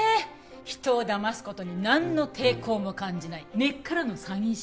人を騙す事になんの抵抗も感じない根っからの詐欺師。